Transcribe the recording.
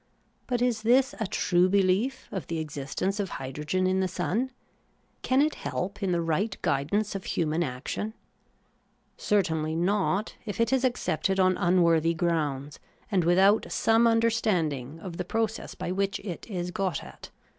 But is this a true behef, of the existence of hydrogen in the sun ? Can it help in the right guidance of human action ? Certainly not, if it is accepted on unworthy grounds, and without some understanding of the process by which it is got at.